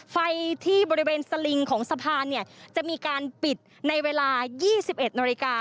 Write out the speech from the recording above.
ไฟที่บริเวณสลิงของสะพานจะมีการปิดในเวลา๒๑น